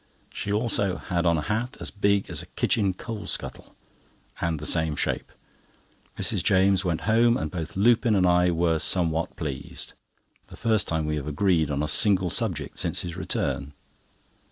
She also had on a hat as big as a kitchen coal scuttle, and the same shape. Mrs. James went home, and both Lupin and I were somewhat pleased—the first time we have agreed on a single subject since his return.